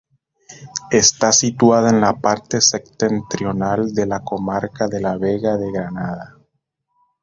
Está situada en la parte septentrional de la comarca de la Vega de Granada.